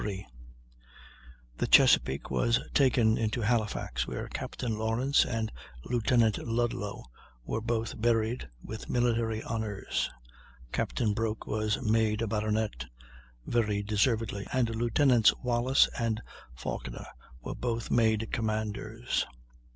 The Chesapeake was taken into Halifax, where Captain Lawrence and Lieutenant Ludlow were both buried with military honors. Captain Broke was made a baronet, very deservedly, and Lieutenants Wallis and Falkiner were both made commanders.